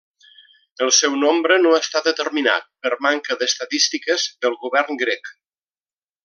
El seu nombre no està determinat per manca d'estadístiques del govern grec.